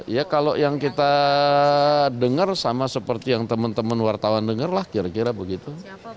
ya kalau yang kita dengar sama seperti yang teman teman wartawan dengar lah kira kira begitu